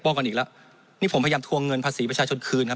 กันอีกแล้วนี่ผมพยายามทวงเงินภาษีประชาชนคืนครับ